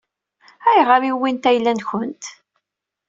Ayɣer i wwint ayla-nkent?